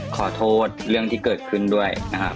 ขอโทษเรื่องที่เกิดขึ้นด้วยนะครับ